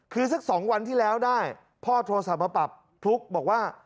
คือสัก๒วันที่แล้วได้พ่อโทรศัพท์มาปรับพลุ๊กบอกว่า